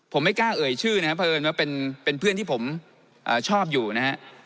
ผมไม่กล้าเอ่ยชื่อนะครับเพราะเอิญว่าเป็นเพื่อนที่ผมชอบอยู่นะฮะ